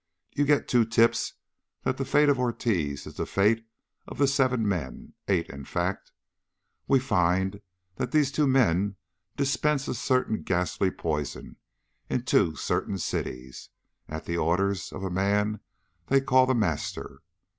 You get two tips that the fate of Ortiz is the fate of the seven men eight, in fact. We find that two men dispense a certain ghastly poison in two certain cities, at the orders of a man they call The Master.